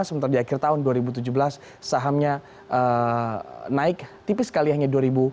sementara di akhir tahun dua ribu tujuh belas sahamnya naik tipis sekali hanya dua ribu empat ratus enam puluh